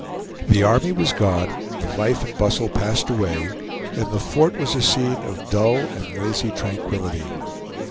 The army was gone, the life and bustle passed away, and the fort was a scene of dull and lazy tranquillity.